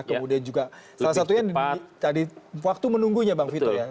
kemudian juga salah satunya tadi waktu menunggunya bang vito ya